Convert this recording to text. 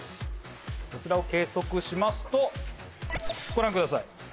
こちらを計測しますとご覧ください。